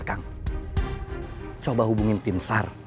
kang coba hubungin timstar